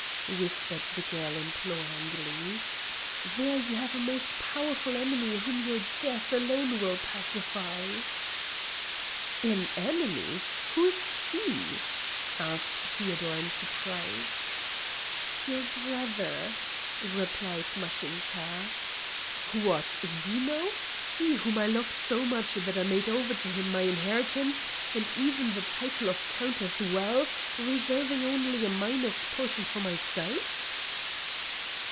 whispered the girl imploringly. "There you have a most powerful enemy whom your death alone will pacify." "An enemy! Who is he?" asked Feodor in surprise. "Your brother," replied Mashinka. "What! Zeno? he whom I loved so much that I made over to him my inheritance and even the title of Count as well, reserving only a minor's portion for myself?"